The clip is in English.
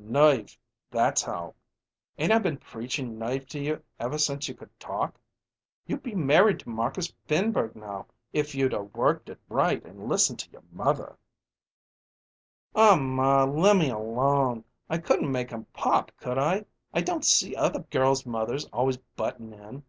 "Nerve! That's how. 'Ain't I been preachin' nerve to you since you could talk? You'd be married to Marcus Finberg now if you'd 'a' worked it right and listened to your mother." "Aw, maw, lemme alone. I couldn't make him pop, could I? I don't see other girls' mothers always buttin' in."